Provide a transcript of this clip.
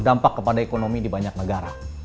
ini berdampak kepada ekonomi di banyak negara